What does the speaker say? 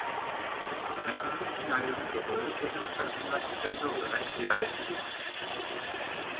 Kendisi için ayrılmış odaları kocası tarafından düzenli olarak ziyaret edilirdi.